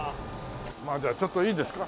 じゃあちょっといいですか？